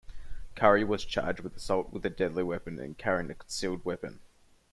Curry was charged with assault with a deadly weapon and carrying a concealed weapon.